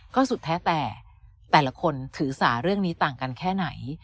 ก็สุดแท้แต่แต่ละคนถือสาเรื่องนี้ต่างกันแค่ไหน